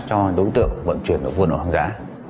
cho đối tượng bận chuyển ở vườn hàng giá